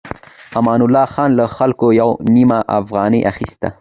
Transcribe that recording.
امان الله خان له خلکو يوه نيمه افغانۍ اخيسته.